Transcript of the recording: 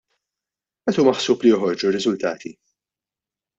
Meta hu maħsub li joħorġu r-riżultati?